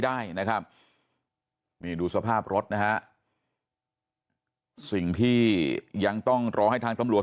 ได้นะครับนี่ดูสภาพรถนะฮะสิ่งที่ยังต้องรอให้ทางตำรวจ